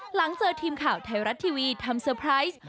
หลังเจอทีมข่าวไทยรัฐทีวีทำเซอร์ไพรส์